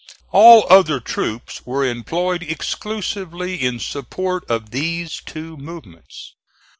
All other troops were employed exclusively in support of these two movements.